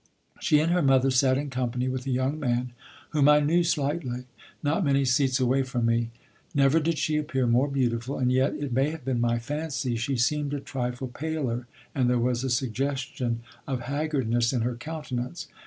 She and her mother sat in company with a young man whom I knew slightly, not many seats away from me. Never did she appear more beautiful; and yet, it may have been my fancy, she seemed a trifle paler, and there was a suggestion of haggardness in her countenance.